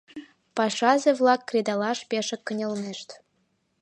Пашазе-влак кредалаш пешак кынелнешт.